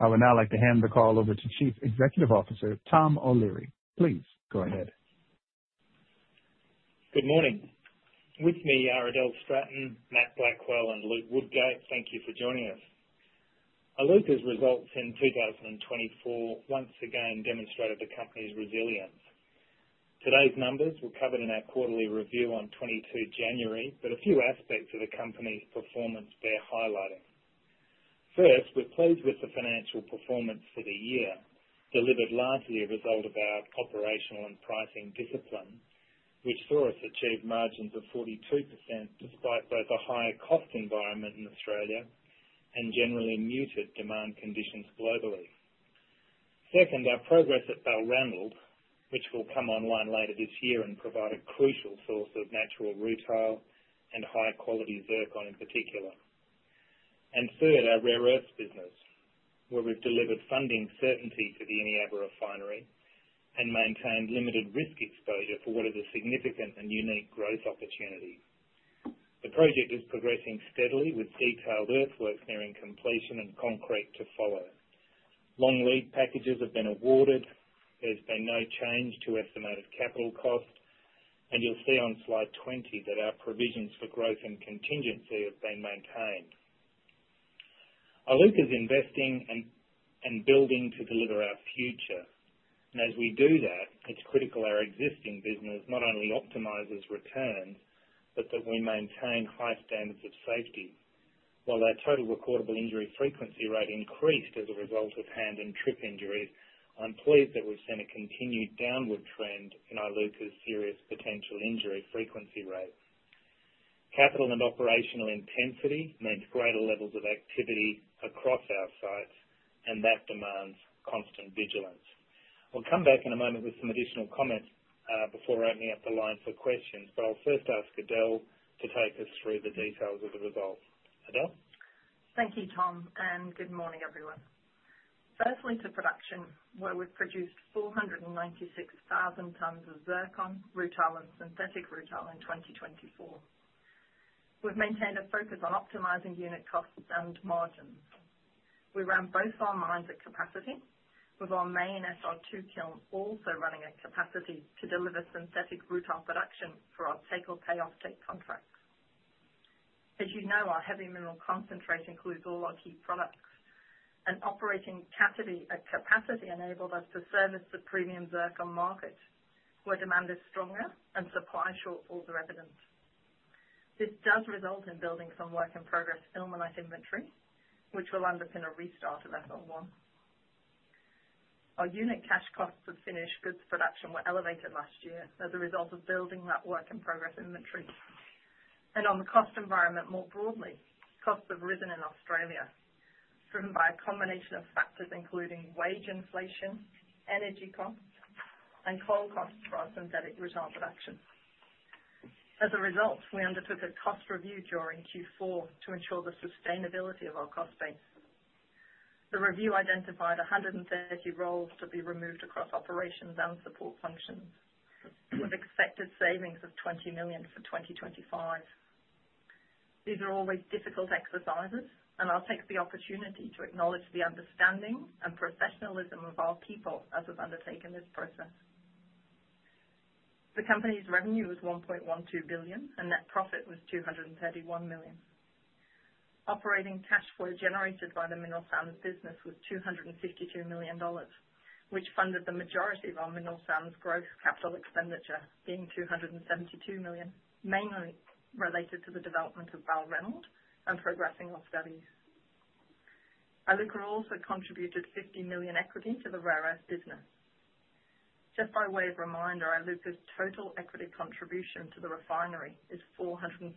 I would now like to hand the call over to Chief Executive Officer Tom O'Leary. Please go ahead. Good morning. With me are Adele Stratton, Matt Blackwell, and Luke Woodgate. Thank you for joining us. Iluka's results in 2024 once again demonstrated the company's resilience. Today's numbers were covered in our quarterly review on 22 January, but a few aspects of the company's performance bear highlighting. First, we're pleased with the financial performance for the year, delivered largely as a result of our operational and pricing discipline, which saw us achieve margins of 42% despite both a higher cost environment in Australia and generally muted demand conditions globally. Second, our progress at Balranald, which will come online later this year and provide a crucial source of natural rutile and high-quality zircon in particular. And third, our rare earth business, where we've delivered funding certainty to the Eneabba refinery and maintained limited risk exposure for what is a significant and unique growth opportunity. The project is progressing steadily with detailed earthworks nearing completion and concrete to follow. Long lead packages have been awarded. There's been no change to estimated capital cost, and you'll see on slide 20 that our provisions for growth and contingency have been maintained, and as we do that, it's critical our existing business not only optimizes returns but that we maintain high standards of safety. While our total recordable injury frequency rate increased as a result of hand and trip injuries, I'm pleased that we've seen a continued downward trend in Iluka's serious potential injury frequency rate. Capital and operational intensity means greater levels of activity across our sites, and that demands constant vigilance. I'll come back in a moment with some additional comments before opening up the line for questions, but I'll first ask Adele to take us through the details of the results. Adele? Thank you, Tom, and good morning, everyone. Firstly, to production, where we've produced 496,000 tons of zircon, rutile, and synthetic rutile in 2024. We've maintained a focus on optimizing unit costs and margins. We ran both our mines at capacity, with our main SR2 kiln also running at capacity to deliver synthetic rutile production for our take-or-pay offtake contracts. As you know, our heavy mineral concentrate includes all our key products, and operating at capacity enabled us to service the premium zircon market where demand is stronger and supply shortfalls are evident. This does result in building some work in progress in the in-flight inventory, which will underpin a restart of SR1. Our unit cash costs of finished goods production were elevated last year as a result of building that work in progress inventory. On the cost environment more broadly, costs have risen in Australia, driven by a combination of factors including wage inflation, energy costs, and coal costs for our synthetic rutile production. As a result, we undertook a cost review during Q4 to ensure the sustainability of our cost base. The review identified 130 roles to be removed across operations and support functions, with expected savings of 20 million for 2025. These are always difficult exercises, and I'll take the opportunity to acknowledge the understanding and professionalism of our people as we've undertaken this process. The company's revenue was 1.12 billion, and net profit was 231 million. Operating cash flow generated by the mineral sands business was 252 million dollars, which funded the majority of our mineral sands growth capital expenditure, being 272 million, mainly related to the development of Balranald and progressing our studies. Iluka also contributed 50 million equity to the rare earth business. Just by way of reminder, Iluka's total equity contribution to the refinery is 414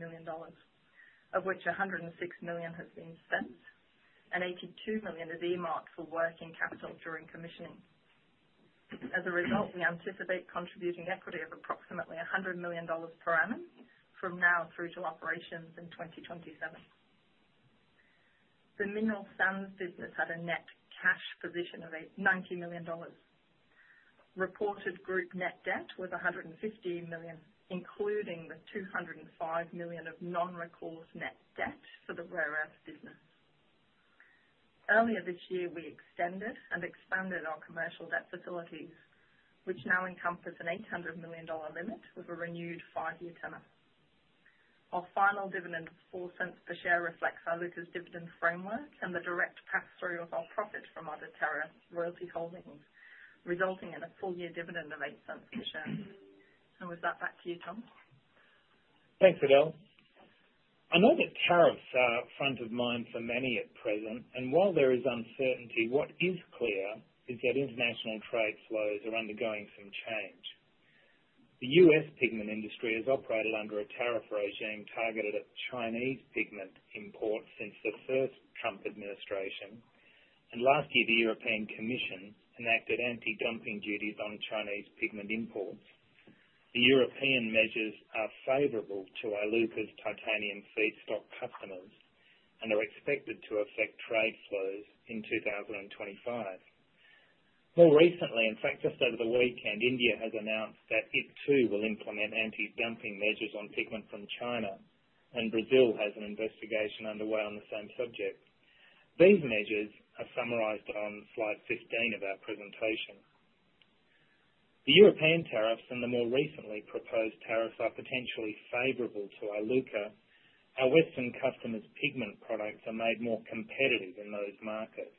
million dollars, of which 106 million has been spent and 82 million is earmarked for working capital during commissioning. As a result, we anticipate contributing equity of approximately 100 million dollars per annum from now through to operations in 2027. The mineral sands business had a net cash position of 90 million dollars. Reported group net debt was 150 million, including the 205 million of non-recourse net debt for the rare earth business. Earlier this year, we extended and expanded our commercial debt facilities, which now encompass an 800 million dollar limit with a renewed five-year tenor. Our final dividend of 0.04 per share reflects Iluka's dividend framework and the direct pass-through of our profit from other royalty holdings, resulting in a full-year dividend of 0.08 per share. And with that, back to you, Tom. Thanks, Adele. I know that tariffs are front of mind for many at present, and while there is uncertainty, what is clear is that international trade flows are undergoing some change. The U.S. pigment industry has operated under a tariff regime targeted at Chinese pigment imports since the first Trump administration, and last year, the European Commission enacted anti-dumping duties on Chinese pigment imports. The European measures are favorable to Iluka's titanium feedstock customers and are expected to affect trade flows in 2025. More recently, in fact, just over the weekend, India has announced that it too will implement anti-dumping measures on pigment from China, and Brazil has an investigation underway on the same subject. These measures are summarized on slide 15 of our presentation. The European tariffs and the more recently proposed tariffs are potentially favorable to Iluka. Our Western customers' pigment products are made more competitive in those markets.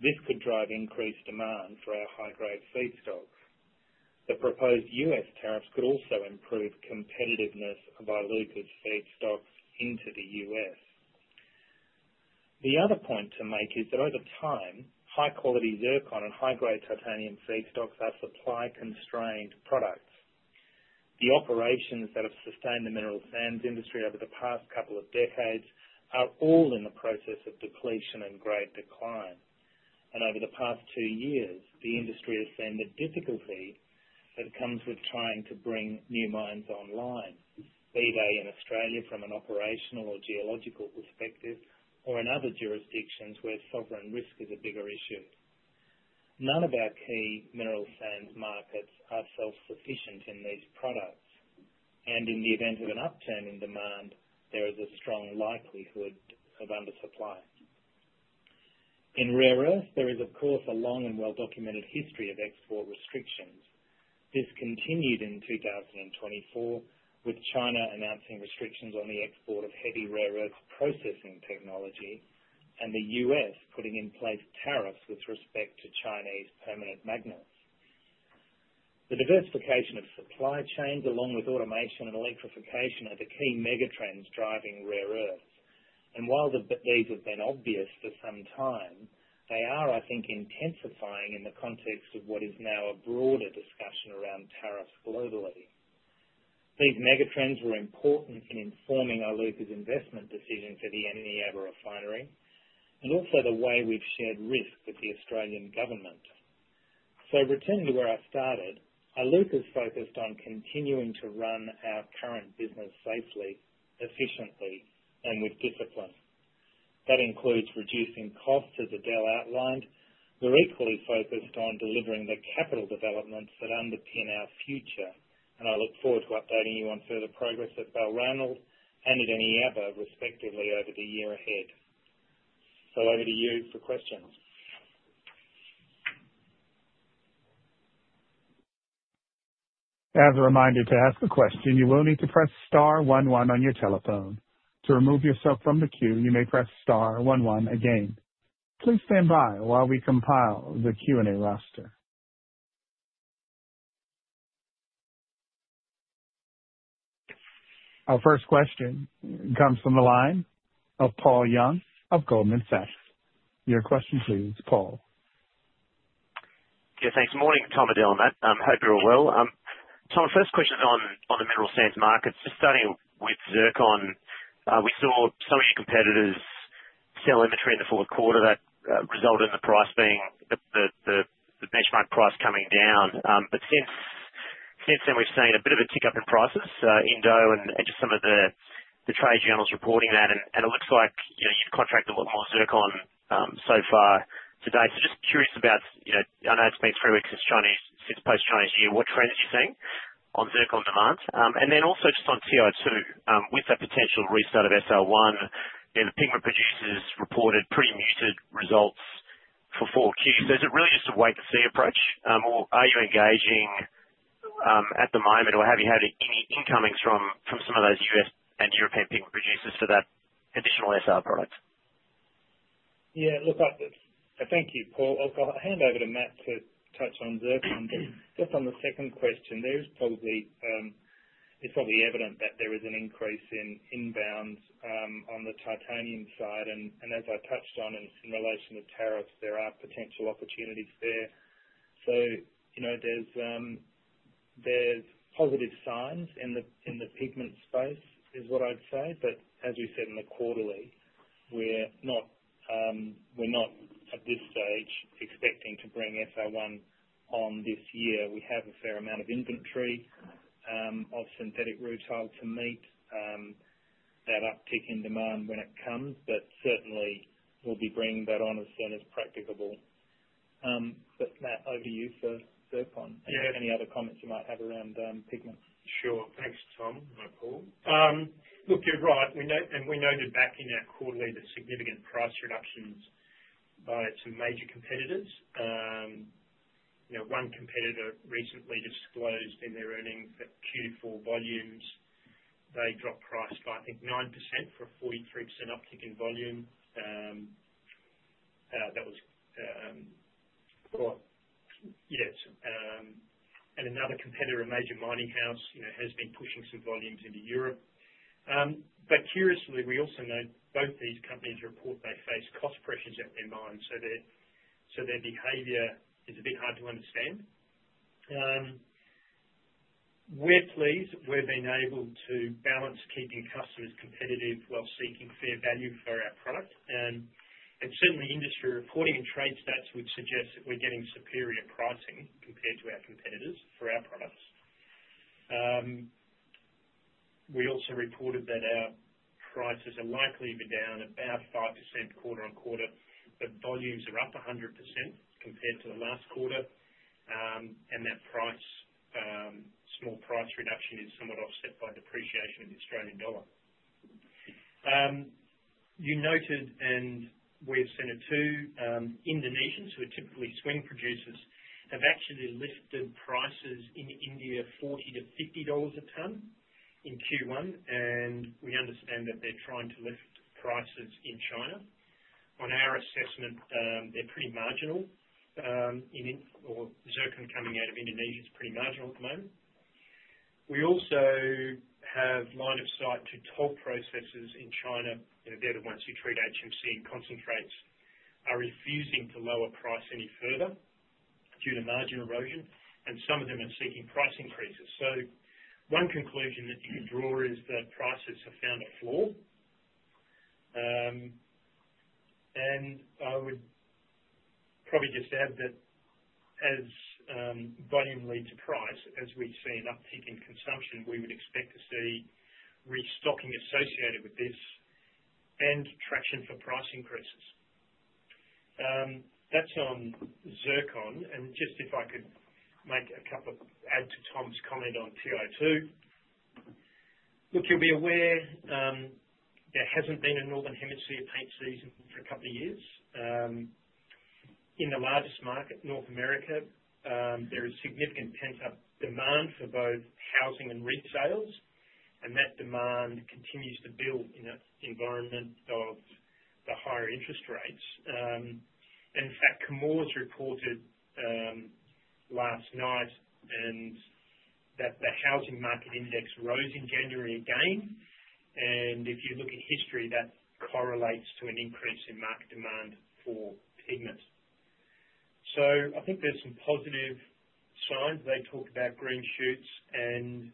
This could drive increased demand for our high-grade feedstocks. The proposed U.S. tariffs could also improve competitiveness of Iluka's feedstocks into the U.S. The other point to make is that over time, high-quality zircon and high-grade titanium feedstocks are supply-constrained products. The operations that have sustained the mineral sands industry over the past couple of decades are all in the process of depletion and grade decline, and over the past two years, the industry has seen the difficulty that comes with trying to bring new mines online, be they in Australia from an operational or geological perspective or in other jurisdictions where sovereign risk is a bigger issue. None of our key mineral sands markets are self-sufficient in these products, and in the event of an upturn in demand, there is a strong likelihood of undersupply. In rare earth, there is, of course, a long and well-documented history of export restrictions. This continued in 2024, with China announcing restrictions on the export of heavy rare earth processing technology and the U.S. putting in place tariffs with respect to Chinese permanent magnets. The diversification of supply chains, along with automation and electrification, are the key megatrends driving rare earth, and while these have been obvious for some time, they are, I think, intensifying in the context of what is now a broader discussion around tariffs globally. These megatrends were important in informing Iluka's investment decision for the Eneabba refinery and also the way we've shared risk with the Australian government, so returning to where I started, Iluka's focused on continuing to run our current business safely, efficiently, and with discipline. That includes reducing costs, as Adele outlined. We're equally focused on delivering the capital developments that underpin our future, and I look forward to updating you on further progress at Balranald and at Eneabba, respectively, over the year ahead. So over to you for questions. As a reminder to ask a question, you will need to press star one one on your telephone. To remove yourself from the queue, you may press star one one again. Please stand by while we compile the Q&A roster. Our first question comes from the line of Paul Young of Goldman Sachs. Your question, please, Paul. Yeah, thanks. Morning, Tom, Adele. I hope you're well. Tom, first question on the mineral sands market. Just starting with zircon, we saw some of your competitors sell inventory in the fourth quarter. That resulted in the price being the benchmark price coming down. But since then, we've seen a bit of a tick up in prices, and though just some of the trade journals reporting that. And it looks like you've contracted a lot more zircon so far today. So just curious about, I know it's been three weeks since post-Chinese New Year, what trends are you seeing on zircon demand? And then also just on SR2, with the potential restart of SR1, the pigment producers reported pretty muted results for 4Q. So is it really just a wait-and-see approach, or are you engaging at the moment, or have you had any incomings from some of those U.S. and European pigment producers for that additional SR product? Yeah, look, I thank you, Paul. I'll hand over to Matt to touch on zircon. But just on the second question, it's probably evident that there is an increase in inbounds on the titanium side. And as I touched on in relation to tariffs, there are potential opportunities there. So there's positive signs in the pigment space, is what I'd say. But as we said in the quarterly, we're not at this stage expecting to bring SR1 on this year. We have a fair amount of inventory of synthetic rutile to meet that uptick in demand when it comes, but certainly, we'll be bringing that on as soon as practicable. But Matt, over to you for zircon. Any other comments you might have around pigment? Sure. Thanks, Tom, and Paul. Look, you're right, and we noted back in our quarterly the significant price reductions by some major competitors. One competitor recently disclosed in their earnings that Q4 volumes, they dropped price by, I think, 9% for a 43% uptick in volume. That was, yeah, and another competitor, a major mining house, has been pushing some volumes into Europe. But curiously, we also know both these companies report they face cost pressures at their mines, so their behavior is a bit hard to understand. We're pleased we've been able to balance keeping customers competitive while seeking fair value for our product, and certainly, industry reporting and trade stats would suggest that we're getting superior pricing compared to our competitors for our products. We also reported that our prices are likely to be down about 5% quarter-on-quarter, but volumes are up 100% compared to the last quarter. And that small price reduction is somewhat offset by depreciation of the Australian dollar. You noted, and we've seen it too, Indonesians, who are typically swing producers, have actually lifted prices in India 40- 50 dollars a ton in Q1, and we understand that they're trying to lift prices in China. On our assessment, they're pretty marginal. Zircon coming out of Indonesia is pretty marginal at the moment. We also have line of sight to toll processors in China. They're the ones who treat HMC and concentrates, are refusing to lower price any further due to margin erosion, and some of them are seeking price increases. So one conclusion that you can draw is that prices have found a floor. And I would probably just add that as volume leads to price, as we've seen an uptick in consumption, we would expect to see restocking associated with this and traction for price increases. That's on zircon. And just if I could add to Tom's comment on SR2. Look, you'll be aware there hasn't been a Northern Hemisphere paint season for a couple of years. In the largest market, North America, there is significant pent-up demand for both housing and retail, and that demand continues to build in an environment of the higher interest rates. In fact, Chemours has reported last night that the housing market index rose in January again. And if you look at history, that correlates to an increase in market demand for pigment. So I think there's some positive signs. They talked about green shoots, and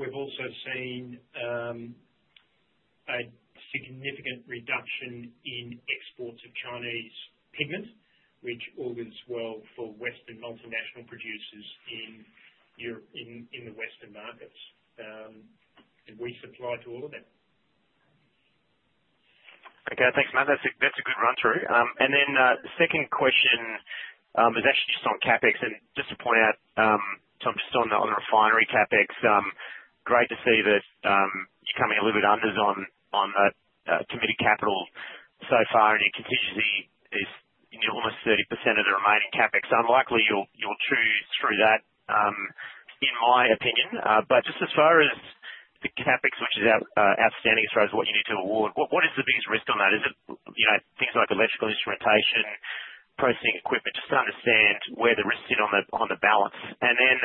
we've also seen a significant reduction in exports of Chinese pigment, which bodes well for Western multinational producers in the Western markets, and we supply to all of them. Okay, thanks, Matt. That's a good run-through. And then the second question is actually just on CapEx. And just to point out, Tom, just on the refinery CapEx, great to see that you're coming a little bit unders on that committed capital so far, and you continue to see almost 30% of the remaining CapEx. So I'm likely you'll cruise through that, in my opinion. But just as far as the CapEx, which is outstanding as far as what you need to award, what is the biggest risk on that? Is it things like electrical instrumentation, processing equipment? Just to understand where the risks sit on the balance. And then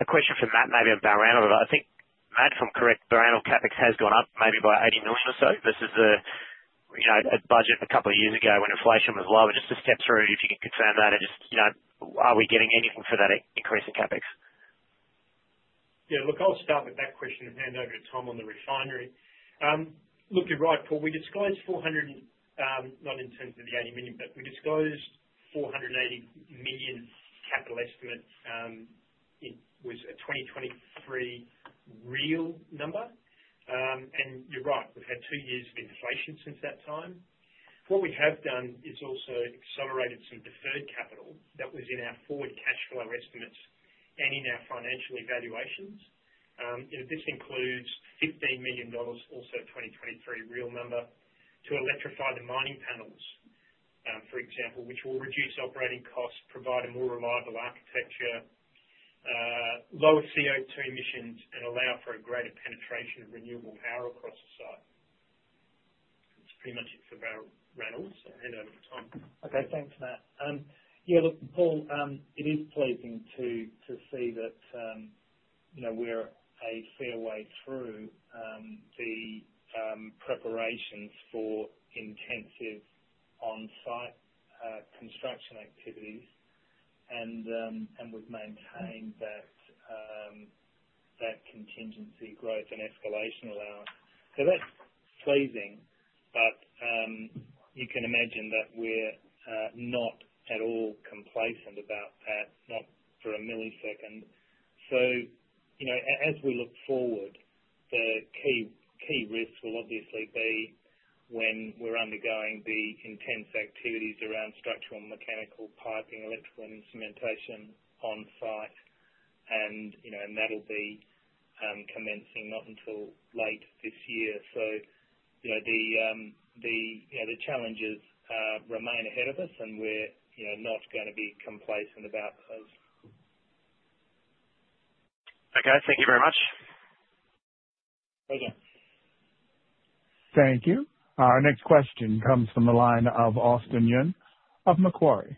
a question for Matt, maybe about Balranald. I think, Matt, if I'm correct, Balranald CapEx has gone up maybe by 80 million or so versus a budget a couple of years ago when inflation was lower. Just to step through, if you can confirm that, and just are we getting anything for that increase in CapEx? Yeah, look, I'll start with that question and hand over to Tom on the refinery. Look, you're right, Paul. We disclosed 400, not in terms of the 80 million, but we disclosed 480 million capital estimate was a 2023 real number. And you're right, we've had two years of inflation since that time. What we have done is also accelerated some deferred capital that was in our forward cash flow estimates and in our financial evaluations. This includes 15 million dollars, also a 2023 real number, to electrify the mining panels, for example, which will reduce operating costs, provide a more reliable architecture, lower CO2 emissions, and allow for a greater penetration of renewable power across the site. That's pretty much it for Balranald. I'll hand over to Tom. Okay, thanks, Matt. Yeah, look, Paul, it is pleasing to see that we're a fair way through the preparations for intensive on-site construction activities, and we've maintained that contingency growth and escalation allowance. So that's pleasing, but you can imagine that we're not at all complacent about that, not for a millisecond. So as we look forward, the key risks will obviously be when we're undergoing the intense activities around structural and mechanical piping, electrical and instrumentation on-site, and that'll be commencing not until late this year. So the challenges remain ahead of us, and we're not going to be complacent about those. Okay, thank you very much. Thank you. Thank you. Our next question comes from the line of Austin Yun of Macquarie.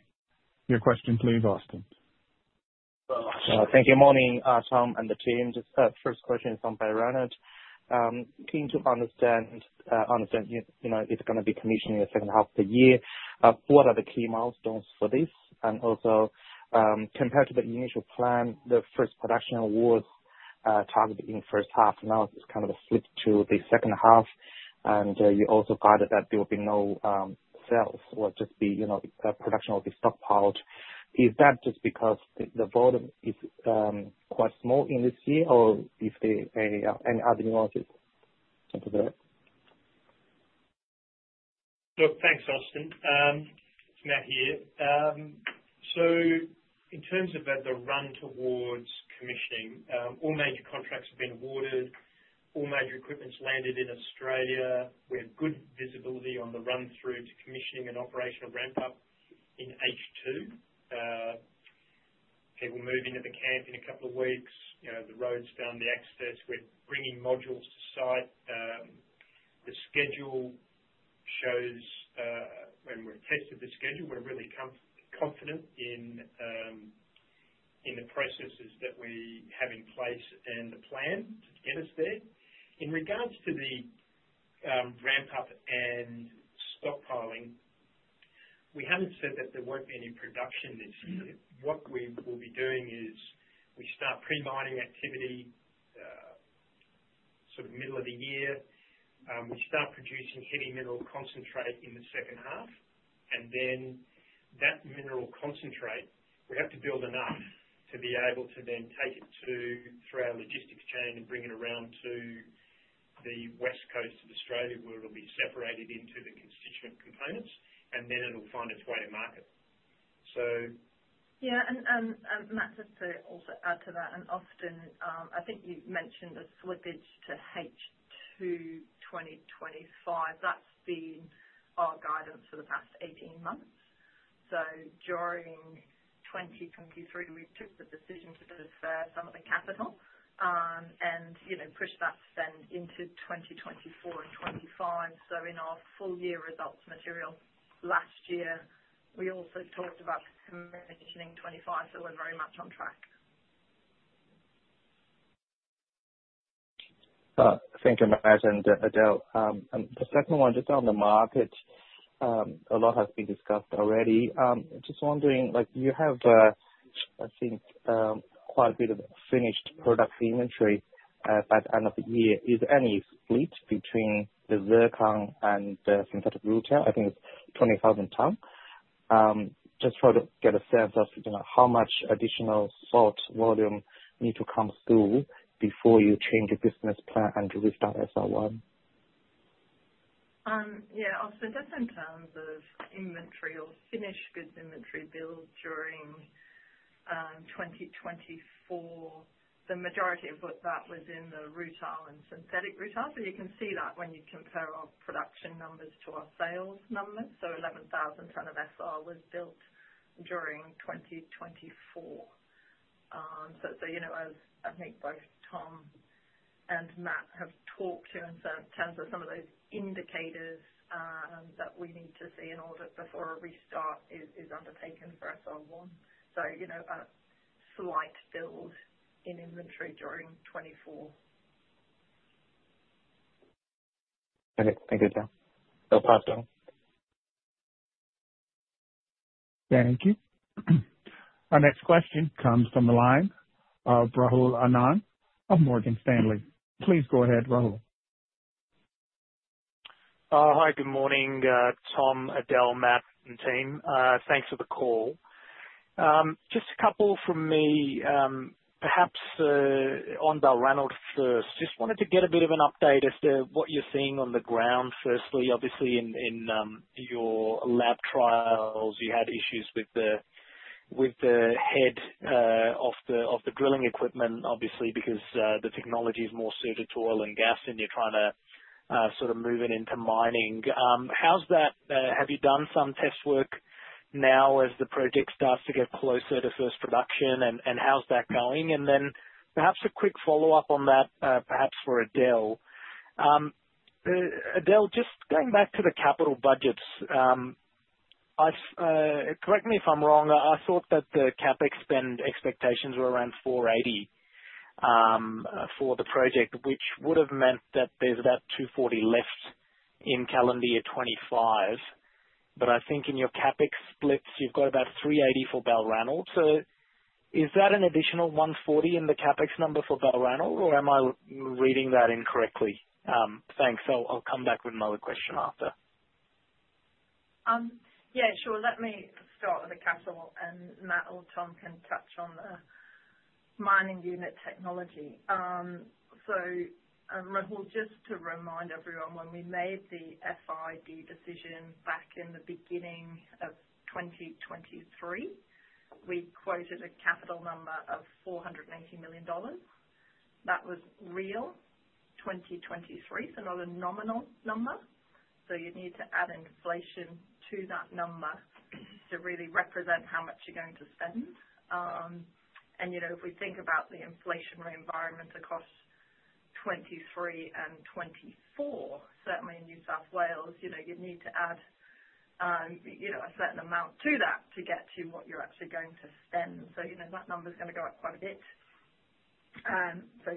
Your question, please, Austin. Thank you. Morning, Tom and the team. Just first question from Balranald. Keen to understand if you're going to be commissioning the second half of the year. What are the key milestones for this? And also, compared to the initial plan, the first production was targeted in the first half, and now it's kind of a flip to the second half. And you also guided that there will be no sales or just production will be stockpiled. Is that just because the volume is quite small in this year, or is there any other nuances? Thank you for that. Look, thanks, Austin. Matt here. So in terms of the run towards commissioning, all major contracts have been awarded. All major equipment's landed in Australia. We have good visibility on the run-through to commissioning and operational ramp-up in H2. People moving to the camp in a couple of weeks. The road's found the access. We're bringing modules to site. The schedule shows, when we've tested the schedule, we're really confident in the processes that we have in place and the plan to get us there. In regards to the ramp-up and stockpiling, we haven't said that there won't be any production this year. What we will be doing is we start pre-mining activity sort of middle of the year. We start producing heavy mineral concentrate in the second half. And then that mineral concentrate, we have to build enough to be able to then take it through our logistics chain and bring it around to the west coast of Australia where it'll be separated into the constituent components, and then it'll find its way to market. So. Yeah, and Matt, just to also add to that, and Austin, I think you mentioned the slippage to H2 2025. That's been our guidance for the past 18 months. So during 2023, we took the decision to defer some of the capital and push that spend into 2024 and 2025. So in our full year results material last year, we also talked about commissioning 2025, so we're very much on track. Thank you, Matt and Adele. The second one, just on the market, a lot has been discussed already. Just wondering, you have, I think, quite a bit of finished product inventory by the end of the year. Is there any split between the zircon and the synthetic rutile? I think it's 20,000 tonnes. Just try to get a sense of how much additional sales volume needs to come through before you change your business plan and restart SR1? Yeah, Austin, just in terms of inventory or finished goods inventory built during 2024, the majority of that was in the rutile and synthetic rutile. You can see that when you compare our production numbers to our sales numbers. 11,000 tons of SR was built during 2024. I think both Tom and Matt have talked to us in terms of some of those indicators that we need to see in order before a restart is undertaken for SR1. A slight build in inventory during 2024. Okay, thank you, Tom. Thank you. Our next question comes from the line of Rahul Anand of Morgan Stanley. Please go ahead, Rahul. Hi, good morning, Tom, Adele, Matt, and team. Thanks for the call. Just a couple from me, perhaps on Balranald first. Just wanted to get a bit of an update as to what you're seeing on the ground. Firstly, obviously, in your lab trials, you had issues with the head of the drilling equipment, obviously, because the technology is more suited to oil and gas, and you're trying to sort of move it into mining. How's that? Have you done some test work now as the project starts to get closer to first production, and how's that going? And then perhaps a quick follow-up on that, perhaps for Adele. Adele, just going back to the capital budgets, correct me if I'm wrong, I thought that the CapEx spend expectations were around 480 million for the project, which would have meant that there's about 240 million left in calendar year 2025. But I think in your CapEx splits, you've got about 380 million for Balranald. So is that an additional 140 million in the CapEx number for Balranald, or am I reading that incorrectly? Thanks. I'll come back with another question after. Yeah, sure. Let me start with the capital, and Matt or Tom can touch on the mining unit technology. So Rahul, just to remind everyone, when we made the FID decision back in the beginning of 2023, we quoted a capital number of 480 million dollars. That was real 2023, so not a nominal number, so you need to add inflation to that number to really represent how much you're going to spend, and if we think about the inflationary environment across 2023 and 2024, certainly in New South Wales, you need to add a certain amount to that to get to what you're actually going to spend, so that number's going to go up quite a bit, so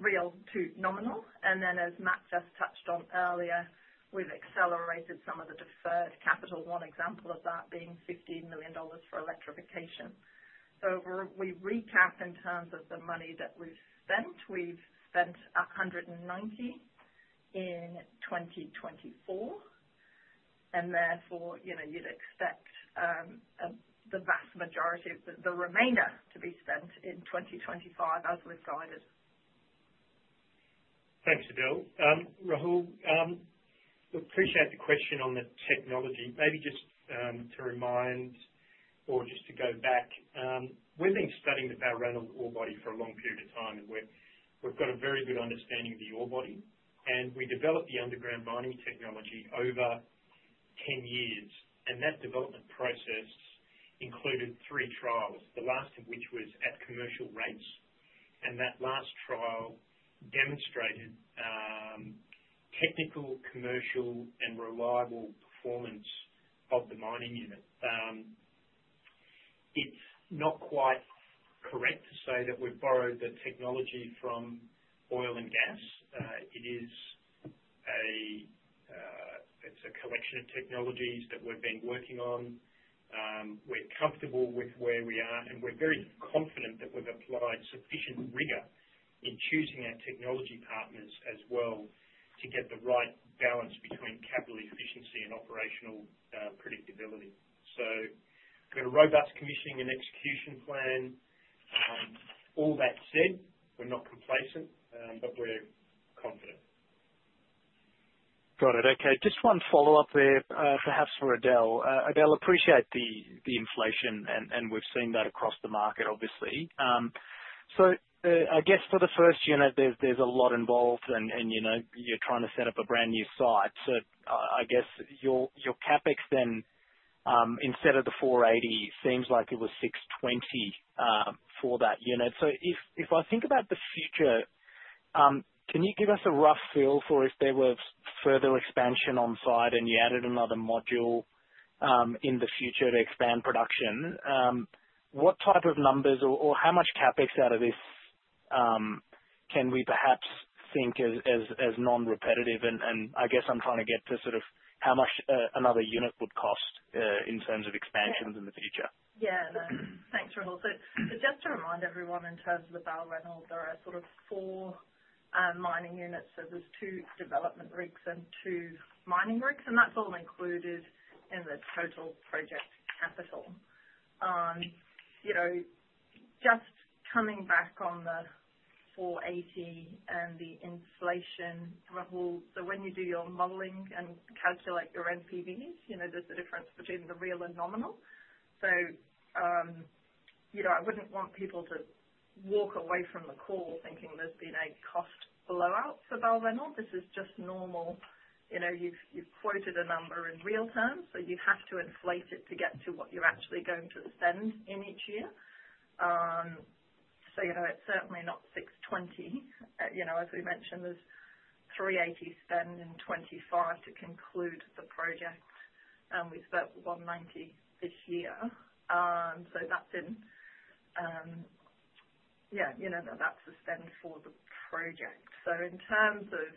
real to nominal, and then, as Matt just touched on earlier, we've accelerated some of the deferred capital, one example of that being 15 million dollars for electrification. So we recap in terms of the money that we've spent. We've spent 190 in 2024, and therefore you'd expect the vast majority of the remainder to be spent in 2025 as we've guided. Thanks, Adele. Rahul, we appreciate the question on the technology. Maybe just to remind or just to go back, we've been studying the Balranald ore body for a long period of time, and we've got a very good understanding of the ore body, and we developed the underground mining technology over 10 years, and that development process included three trials, the last of which was at commercial rates, and that last trial demonstrated technical, commercial, and reliable performance of the mining unit. It's not quite correct to say that we've borrowed the technology from oil and gas. It's a collection of technologies that we've been working on. We're comfortable with where we are, and we're very confident that we've applied sufficient rigor in choosing our technology partners as well to get the right balance between capital efficiency and operational predictability, so we've got a robust commissioning and execution plan. All that said, we're not complacent, but we're confident. Got it. Okay. Just one follow-up there, perhaps for Adele. Adele, appreciate the inflation, and we've seen that across the market, obviously. So I guess for the first unit, there's a lot involved, and you're trying to set up a brand new site. So I guess your CapEx then, instead of the 480 million, seems like it was 620 million for that unit. So if I think about the future, can you give us a rough feel for if there was further expansion on-site and you added another module in the future to expand production? What type of numbers or how much CapEx out of this can we perhaps think as non-repetitive? And I guess I'm trying to get to sort of how much another unit would cost in terms of expansions in the future. Yeah, thanks, Rahul. So just to remind everyone, in terms of the Balranald, there are sort of four mining units. So there's two development rigs and two mining rigs, and that's all included in the total project capital. Just coming back on the 480 million and the inflation, Rahul, so when you do your modeling and calculate your NPVs, there's a difference between the real and nominal. So I wouldn't want people to walk away from the call thinking there's been a cost blowout for Balranald. This is just normal. You've quoted a number in real terms, so you have to inflate it to get to what you're actually going to spend in each year. So it's certainly not 620 million. As we mentioned, there's 380 million spent in 2025 to conclude the project, and we spent 190 million this year. So that's in, yeah, that's the spend for the project. So in terms of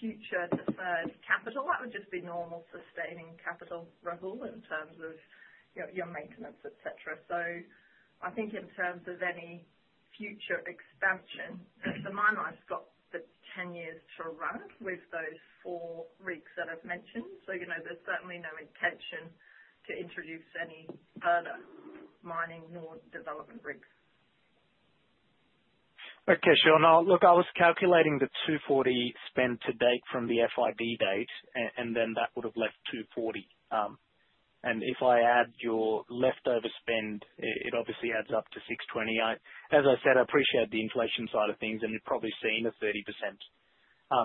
future deferred capital, that would just be normal sustaining capital, Rahul, in terms of your maintenance, etc. So I think in terms of any future expansion, the miner has got the 10 years to run with those four rigs that I've mentioned. So there's certainly no intention to introduce any further mining nor development rigs. Okay, sure. Now, look, I was calculating the 240 million spend to date from the FID date, and then that would have left 240 million. And if I add your leftover spend, it obviously adds up to 620 million. As I said, I appreciate the inflation side of things, and you've probably seen a 30%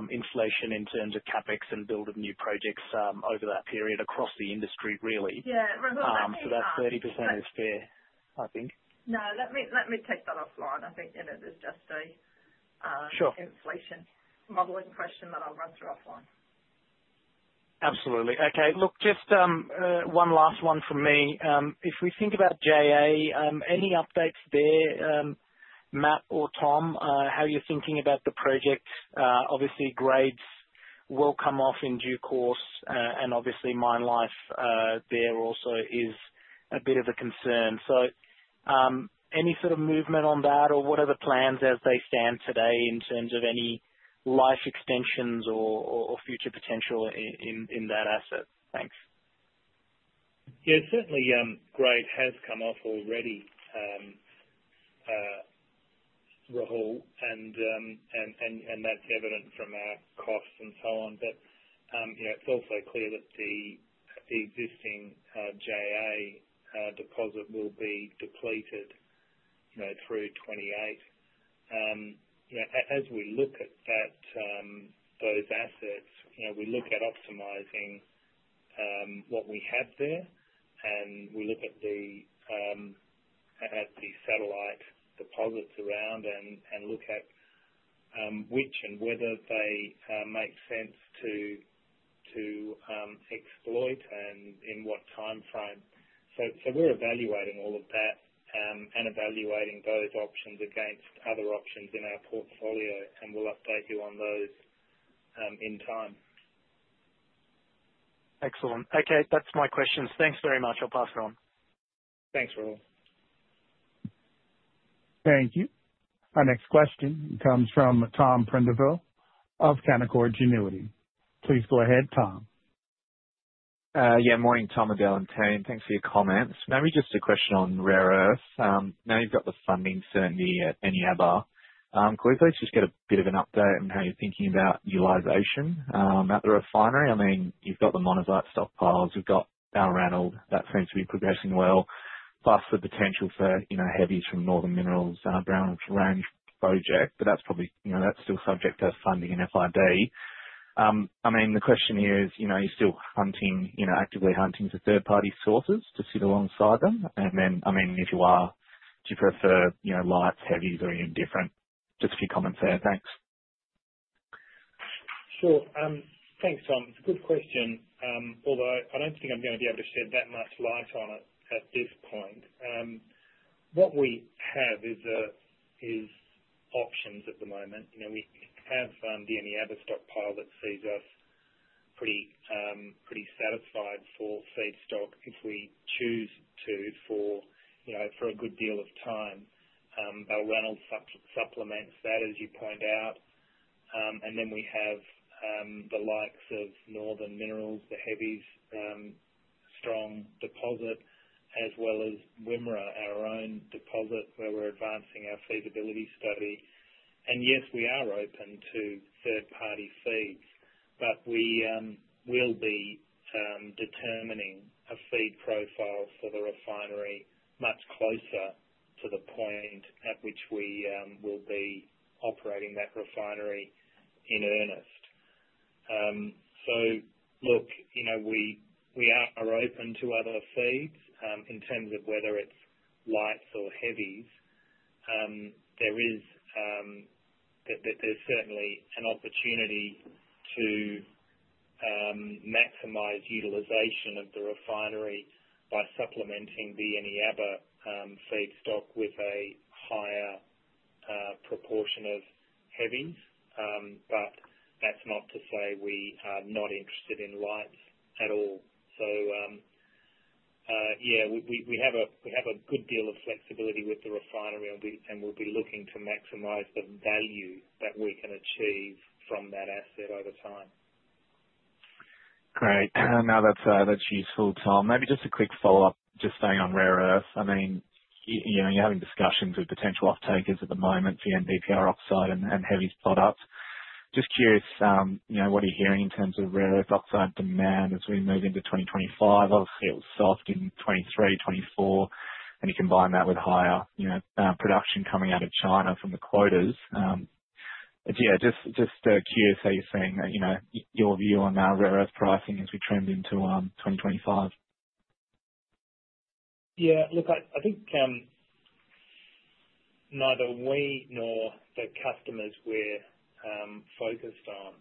inflation in terms of CapEx and build of new projects over that period across the industry, really. Yeah, Rahul, I think. That 30% is fair, I think. No, let me take that offline. I think it is just an inflation modeling question that I'll run through offline. Absolutely. Okay, look, just one last one from me. If we think about JA, any updates there, Matt or Tom, how you're thinking about the project? Obviously, grades will come off in due course, and obviously, mine life there also is a bit of a concern. So any sort of movement on that, or what are the plans as they stand today in terms of any life extensions or future potential in that asset? Thanks. Yeah, certainly, grade has come off already, Rahul, and that's evident from our costs and so on. But it's also clear that the existing JA deposit will be depleted through 2028. As we look at those assets, we look at optimizing what we have there, and we look at the satellite deposits around and look at which and whether they make sense to exploit and in what timeframe. So we're evaluating all of that and evaluating those options against other options in our portfolio, and we'll update you on those in time. Excellent. Okay, that's my questions. Thanks very much. I'll pass it on. Thanks, Rahul. Thank you. Our next question comes from Tom Prendiville of Canaccord Genuity. Please go ahead, Tom. Yeah, morning, Tom, Adele, and team. Thanks for your comments. Maybe just a question on rare earths. Now you've got the funding certainty at Eneabba. Could we please just get a bit of an update on how you're thinking about utilization at the refinery? I mean, you've got the monazite stockpiles. You've got Balranald. That seems to be progressing well, plus the potential for heavies from Northern Minerals' Browns Range project. But that's still subject to funding and FID. I mean, the question here is, you're still actively hunting for third-party sources to sit alongside them? And then, I mean, if you are, do you prefer lights, heavies, or any different? Just a few comments there. Thanks. Sure. Thanks, Tom. It's a good question, although I don't think I'm going to be able to shed that much light on it at this point. What we have is options at the moment. We have the Eneabba stockpile that sees us pretty satisfied for feedstock if we choose to for a good deal of time. Balranald supplements that, as you point out. And then we have the likes of Northern Minerals, the Browns Range, as well as Wimmera, our own deposit, where we're advancing our feasibility study. And yes, we are open to third-party feeds, but we will be determining a feed profile for the refinery much closer to the point at which we will be operating that refinery in earnest. So look, we are open to other feeds in terms of whether it's lights or heavies. There's certainly an opportunity to maximize utilization of the refinery by supplementing the Eneabba feedstock with a higher proportion of heavies, but that's not to say we are not interested in lights at all. So yeah, we have a good deal of flexibility with the refinery, and we'll be looking to maximize the value that we can achieve from that asset over time. Great. No, that's useful, Tom. Maybe just a quick follow-up, just staying on rare earth. I mean, you're having discussions with potential off-takers at the moment for the NdPr oxide and heavies products. Just curious, what are you hearing in terms of rare earth oxide demand as we move into 2025? Obviously, it was soft in 2023, 2024, and you combine that with higher production coming out of China from the quotas. Yeah, just curious how you're seeing your view on our rare earth pricing as we trend into 2025. Yeah. Look, I think neither we nor the customers we're focused on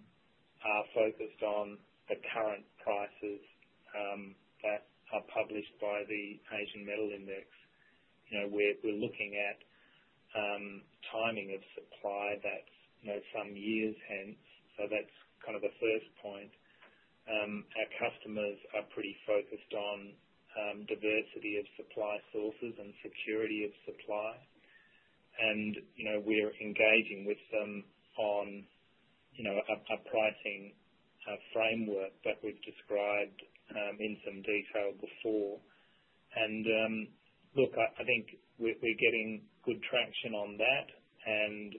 are focused on the current prices that are published by the Asian Metal Index. We're looking at timing of supply that's some years hence, so that's kind of the first point. Our customers are pretty focused on diversity of supply sources and security of supply. And we're engaging with them on a pricing framework that we've described in some detail before. And look, I think we're getting good traction on that and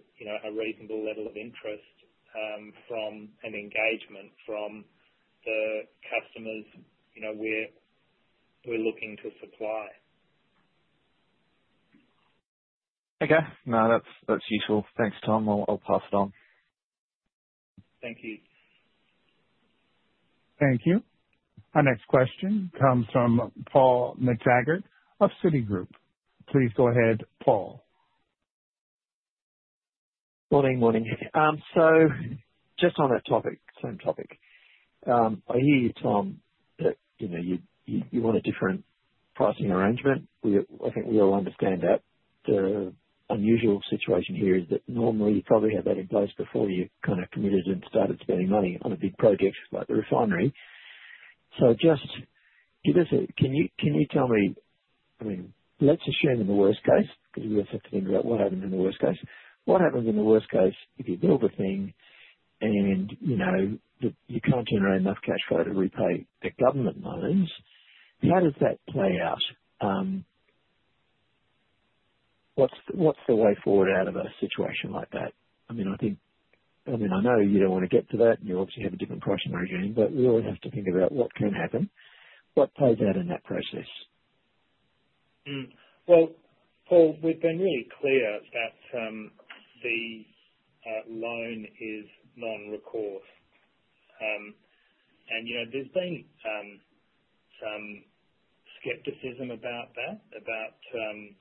a reasonable level of interest and engagement from the customers we're looking to supply. Okay. No, that's useful. Thanks, Tom. I'll pass it on. Thank you. Thank you. Our next question comes from Paul McTaggart of Citigroup. Please go ahead, Paul. Good evening. So just on that topic, same topic, I hear you, Tom, that you want a different pricing arrangement. I think we all understand that. The unusual situation here is that normally you probably had that in place before you kind of committed and started spending money on a big project like the refinery. So just can you tell me, I mean, let's assume in the worst case, because we also have to think about what happens in the worst case? What happens in the worst case if you build the thing and you can't generate enough cash flow to repay the government loans? How does that play out? What's the way forward out of a situation like that? I mean, I think, I mean, I know you don't want to get to that, and you obviously have a different pricing regime, but we all have to think about what can happen. What plays out in that process? Paul, we've been really clear that the loan is non-recourse. And there's been some skepticism about that, about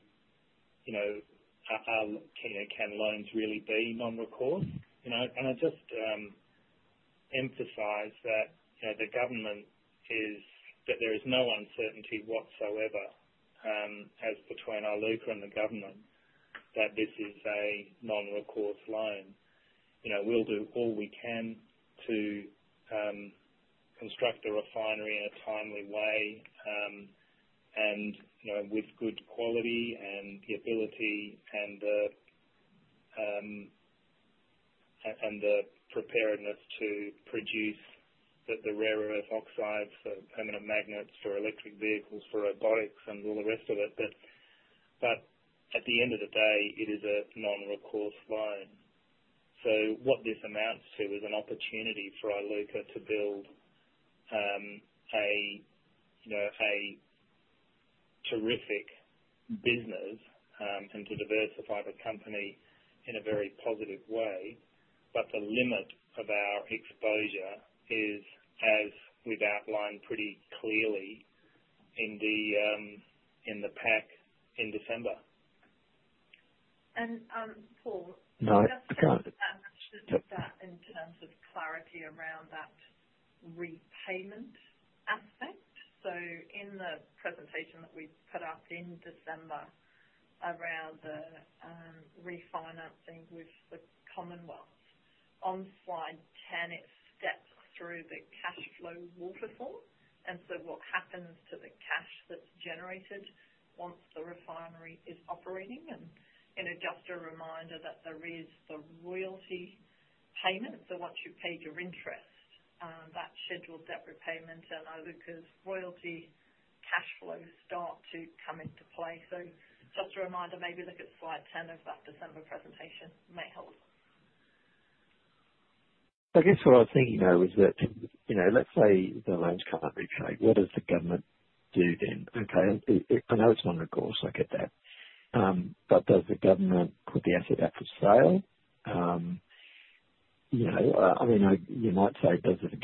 can loans really be non-recourse. And I just emphasize that the government is that there is no uncertainty whatsoever as between Iluka and the government that this is a non-recourse loan. We'll do all we can to construct a refinery in a timely way and with good quality and the ability and the preparedness to produce the rare earth oxides for permanent magnets for electric vehicles for robotics and all the rest of it. But at the end of the day, it is a non-recourse loan. So what this amounts to is an opportunity for Iluka to build a terrific business and to diversify the company in a very positive way. But the limit of our exposure is, as we've outlined pretty clearly in the pack in December. And Paul, just to add that in terms of clarity around that repayment aspect. So in the presentation that we put up in December around the refinancing with the Commonwealth, on slide 10, it steps through the cash flow waterfall. And so what happens to the cash that's generated once the refinery is operating? And just a reminder that there is the royalty payment, so once you've paid your interest, that schedules that repayment, and Iluka's royalty cash flow starts to come into play. So just a reminder, maybe look at slide 10 of that December presentation. You may hold. I guess what I was thinking though is that let's say the loans can't be paid. What does the government do then? Okay, I know it's non-recourse. I get that. But does the government put the asset up for sale? I mean, you might say, does the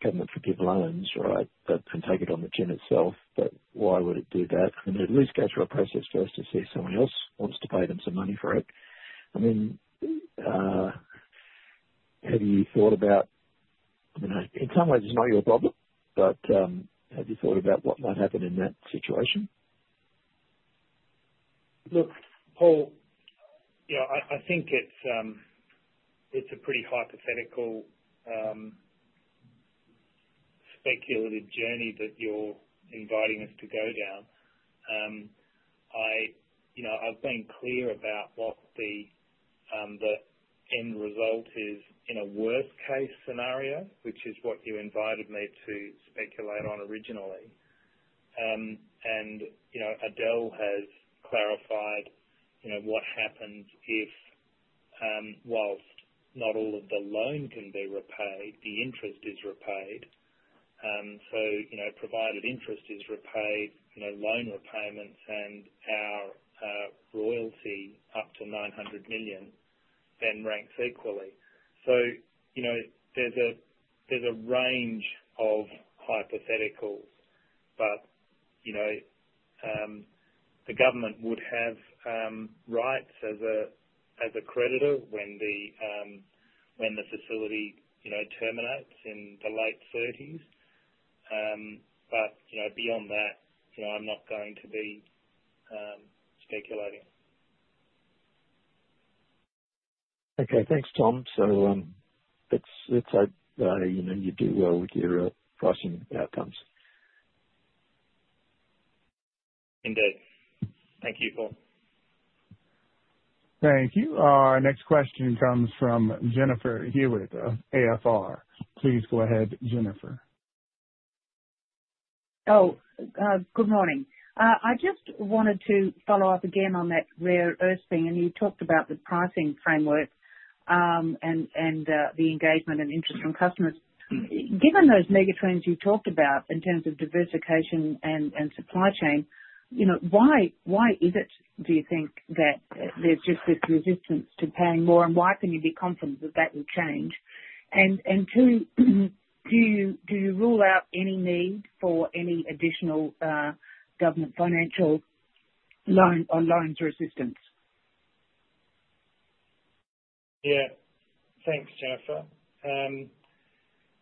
government forgive loans, right, and take it on the chin itself? But why would it do that? I mean, it at least goes through a process first to see if someone else wants to pay them some money for it. I mean, have you thought about, I mean, in some ways, it's not your problem, but have you thought about what might happen in that situation? Look, Paul, yeah, I think it's a pretty hypothetical speculative journey that you're inviting us to go down. I've been clear about what the end result is in a worst-case scenario, which is what you invited me to speculate on originally. And Adele has clarified what happens if, whilst not all of the loan can be repaid, the interest is repaid. So provided interest is repaid, loan repayments, and our royalty up to 900 million then ranks equally. So there's a range of hypotheticals, but the government would have rights as a creditor when the facility terminates in the late 2030s. But beyond that, I'm not going to be speculating. Okay. Thanks, Tom. So it's how you do well with your pricing outcomes. Indeed. Thank you, Paul. Thank you. Our next question comes from Jennifer Hewett, AFR. Please go ahead, Jennifer. Oh, good morning. I just wanted to follow up again on that rare earth thing. And you talked about the pricing framework and the engagement and interest from customers. Given those megatrends you talked about in terms of diversification and supply chain, why is it, do you think, that there's just this resistance to paying more? And why can you be confident that that will change? And two, do you rule out any need for any additional government financial loan or loan assistance? Yeah. Thanks, Jennifer.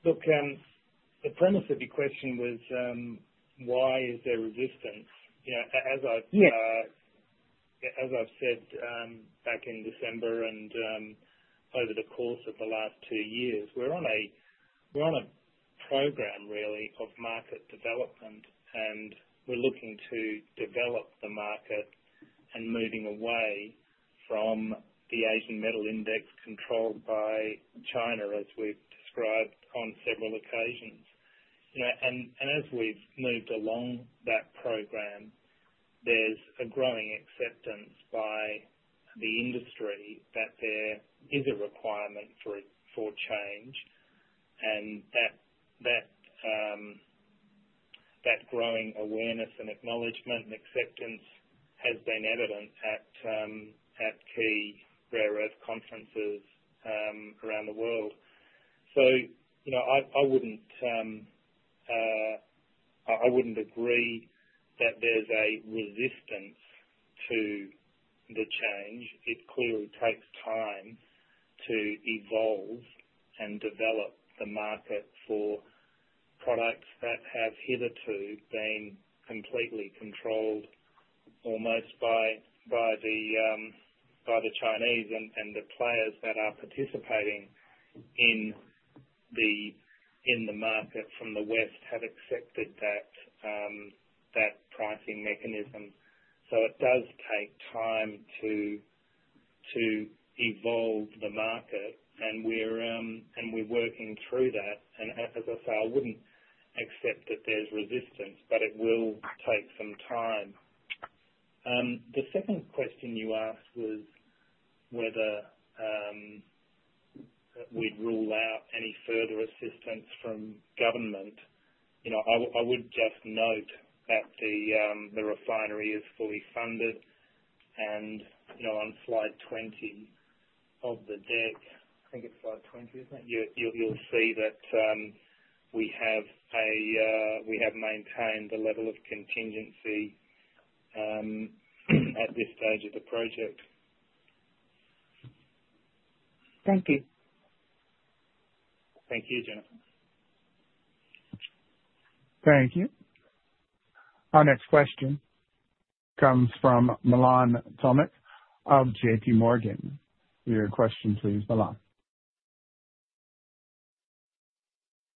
Look, the premise of your question was, why is there resistance? As I've said back in December and over the course of the last two years, we're on a program, really, of market development, and we're looking to develop the market and moving away from the Asian Metal Index controlled by China, as we've described on several occasions. And as we've moved along that program, there's a growing acceptance by the industry that there is a requirement for change. And that growing awareness and acknowledgment and acceptance has been evident at key rare earth conferences around the world. So I wouldn't agree that there's a resistance to the change. It clearly takes time to evolve and develop the market for products that have hitherto been completely controlled almost by the Chinese and the players that are participating in the market from the West have accepted that pricing mechanism. So it does take time to evolve the market, and we're working through that. And as I say, I wouldn't accept that there's resistance, but it will take some time. The second question you asked was whether we'd rule out any further assistance from government. I would just note that the refinery is fully funded. And on slide 20 of the deck, I think it's slide 20, isn't it? You'll see that we have maintained the level of contingency at this stage of the project. Thank you. Thank you, Jennifer. Thank you. Our next question comes from Milan Tomic of JPMorgan. Your question, please, Milan.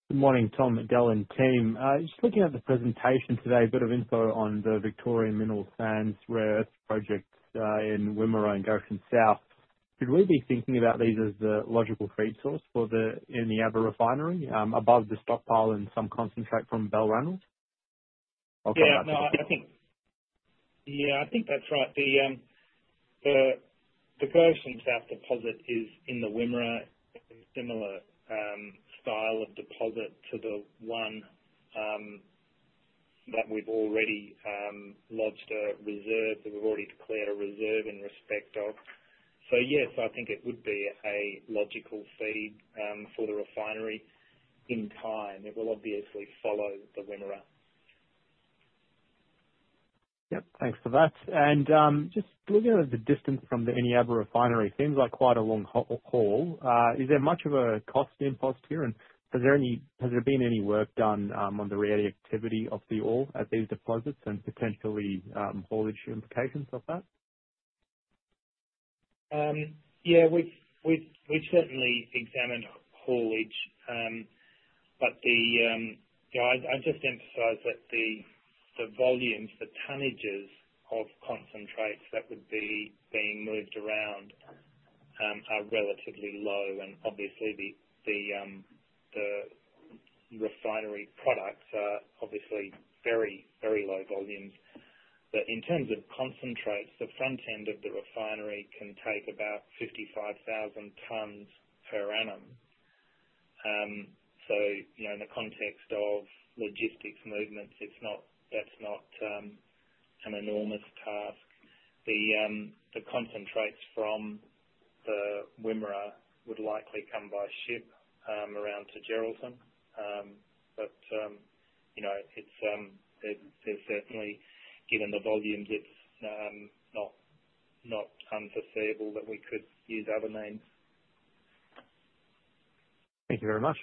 Good morning, Tom O'Leary and team. Just looking at the presentation today, a bit of info on the Victoria Mineral Sands Rare Earth project in Wimmera and Goschen South. Should we be thinking about these as the logical feed source in the Eneabba refinery above the stockpile and some concentrate from Balranald? Yeah. Yeah. I think that's right. The Goschen South deposit is in the Wimmera in a similar style of deposit to the one that we've already lodged a reserve, that we've already declared a reserve in respect of. So yes, I think it would be a logical feed for the refinery in time. It will obviously follow the Wimmera. Yep. Thanks for that. And just looking at the distance from the Eneabba refinery, it seems like quite a long haul. Is there much of a cost impost here? And has there been any work done on the reactivity of the oil at these deposits and potentially haulage implications of that? Yeah. We've certainly examined haulage, but I'd just emphasize that the volumes, the tonnages of concentrates that would be being moved around are relatively low. And obviously, the refinery products are obviously very, very low volumes. But in terms of concentrates, the front end of the refinery can take about 55,000 tonnes per annum. So in the context of logistics movements, that's not an enormous task. The concentrates from the Wimmera would likely come by ship around to Geraldton. But certainly, given the volumes, it's not unforeseeable that we could use other means. Thank you very much.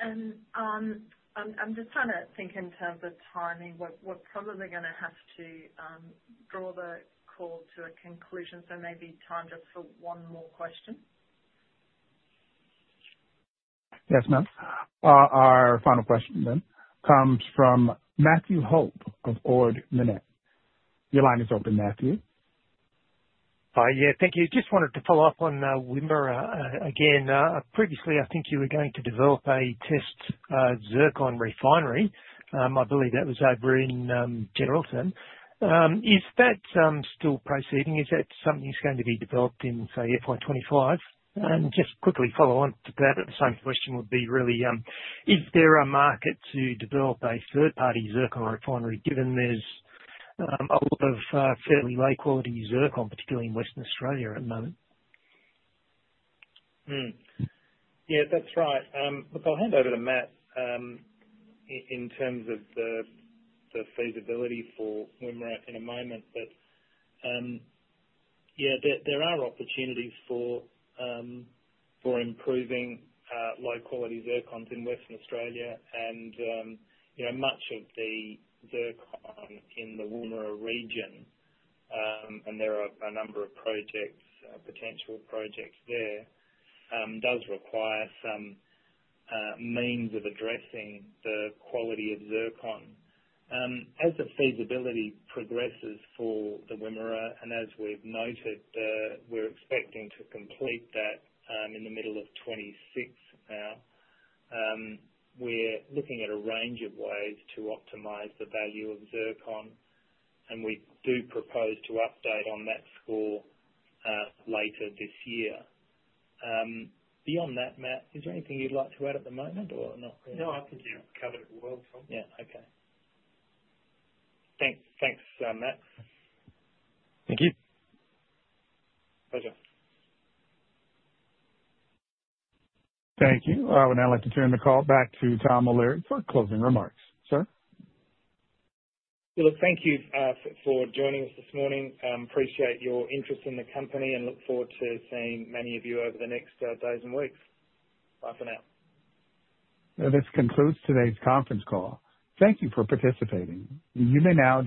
I'm just trying to think in terms of timing. We're probably going to have to draw the call to a conclusion. Maybe time just for one more question. Yes, ma'am. Our final question then comes from Matthew Hope of Ord Minnett. Your line is open, Matthew. Yeah. Thank you. Just wanted to follow up on Wimmera again. Previously, I think you were going to develop a test zircon refinery. I believe that was over in Geraldton. Is that still proceeding? Is that something that's going to be developed in, say, FY 2025? And just quickly follow on to that. The same question would be really, is there a market to develop a third-party zircon refinery given there's a lot of fairly low-quality zircon, particularly in Western Australia at the moment? Yeah. That's right. Look, I'll hand over to Matt in terms of the feasibility for Wimmera in a moment. But yeah, there are opportunities for improving low-quality zircons in Western Australia. And much of the zircon in the Wimmera region, and there are a number of potential projects there, does require some means of addressing the quality of zircon. As the feasibility progresses for the Wimmera, and as we've noted, we're expecting to complete that in the middle of 2026 now. We're looking at a range of ways to optimize the value of zircon. And we do propose to update on that score later this year. Beyond that, Matt, is there anything you'd like to add at the moment or not really? No. I think you've covered it well, Tom. Yeah. Thanks, Matt. Thank you. Pleasure. Thank you. I would now like to turn the call back to Tom O'Leary for closing remarks. Sir. Look, thank you for joining us this morning. Appreciate your interest in the company and look forward to seeing many of you over the next days and weeks. Bye for now. This concludes today's conference call. Thank you for participating. You may now.